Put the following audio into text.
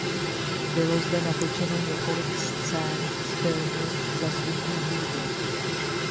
Bylo zde natočeno několik scén z filmu "Za zvuků hudby".